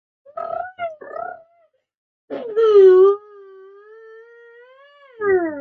কি দারুন মাকে দেখতে অনেক যুবতী এবং সুন্দর লাগছে কোথা থেকে এই ছবিগুলি তুলেছিলো?